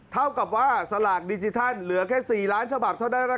เท่ากับว่าสลากดิจิทัลเหลือแค่๔ล้านฉบับเท่านั้น